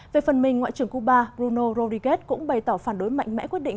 về phần mình ngoại trưởng cuba bruno rodriguez cũng bày tỏ phản đối mạnh mẽ quyết định